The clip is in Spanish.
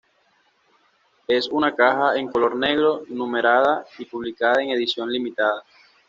Es una caja en color negro, numerada y publicada en edición limitada.